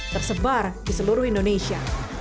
tersebar di seluruh indonesia